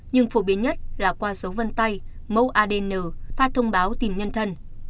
nhưng phổ biến nhất là qua dấu vân tay mẫu adn phát thông báo tìm nhân thân